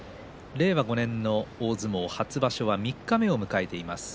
令和５年の大相撲初場所三日目を迎えています。